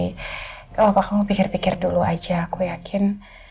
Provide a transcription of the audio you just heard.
gak apa apa kamu pikir pikir dulu aja aku yakin